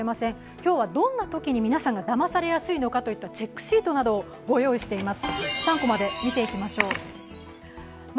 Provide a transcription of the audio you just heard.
今日はどんなときに皆さんがだまされやすいのかといったチェックシートをご用意しています。